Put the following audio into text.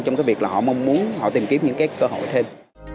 trong cái việc là họ mong muốn họ tìm kiếm những cái cơ hội thêm